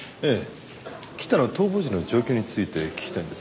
北の逃亡時の状況について聞きたいんです。